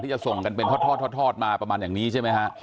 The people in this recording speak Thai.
จะส่งกันเป็นทอดมาประมาณอย่างนี้ใช่ไหมฮะ